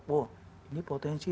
wah ini potensi nih